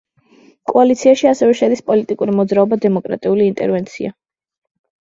კოალიციაში ასევე შედის პოლიტიკური მოძრაობა დემოკრატიული ინტერვენცია.